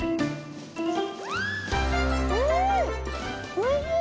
おいしい！